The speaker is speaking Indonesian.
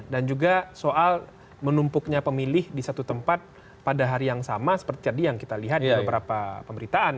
dan juga soal menumpuknya pemilih di satu tempat pada hari yang sama seperti tadi yang kita lihat di beberapa pemberitaan